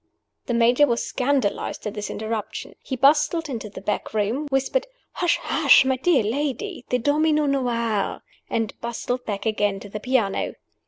The Major was scandalized at this interruption. He bustled into the back room whispered, "Hush! hush! my dear lady; the 'Domino Noir'" and bustled back again to the piano.